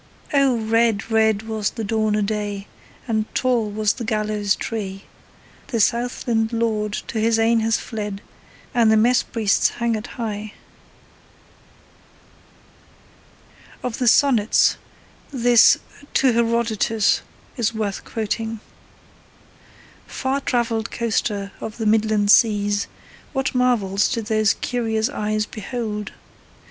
.... Oh! red, red was the dawn o' day, And tall was the gallows tree: The Southland lord to his ain has fled And the mess priest's hangit hie! Of the sonnets, this To Herodotus is worth quoting: Far travelled coaster of the midland seas, What marvels did those curious eyes behold!